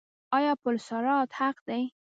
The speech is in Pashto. آیا پل صراط حق دی؟